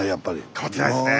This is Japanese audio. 変わってないですね。